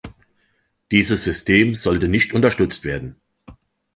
Dieses System sollte nicht unterstützt werden.